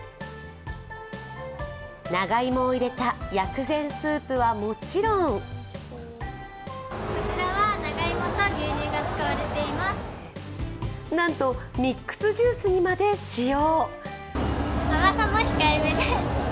長芋を入れた薬膳スープはもちろんなんと、ミックスジュースにまで使用。